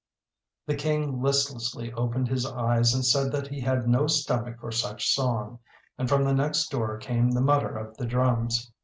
The King listlessly opened his eyes and said that he had no stomach for such song, and from the next door came the mutter of the drums.